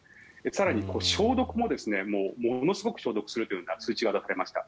更に消毒もものすごく消毒するというような通知が出されました。